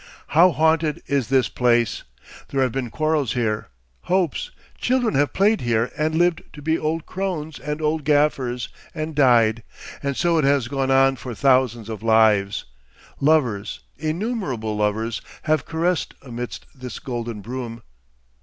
How haunted is this place! There have been quarrels here, hopes, children have played here and lived to be old crones and old gaffers, and died, and so it has gone on for thousands of lives. Lovers, innumerable lovers, have caressed amidst this golden broom....